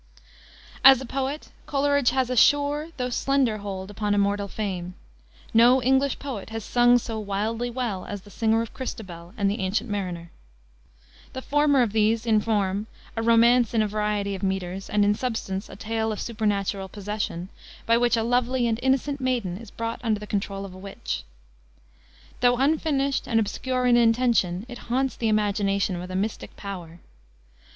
As a poet, Coleridge has a sure, though slender, hold upon immortal fame. No English poet has "sung so wildly well" as the singer of Christabel and the Ancient Mariner. The former of these is, in form, a romance in a variety of meters, and in substance, a tale of supernatural possession, by which a lovely and innocent maiden is brought under the control of a witch. Though unfinished and obscure in intention, it haunts the imagination with a mystic power.